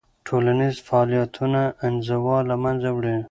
ټولنیز فعالیتونه انزوا له منځه وړي.